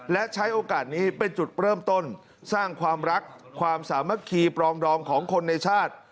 และใช้โอกาสนี้เป็นจุดเริ่มต้นสร้างความรักความสามัคคีปรองดองของคนในชาติ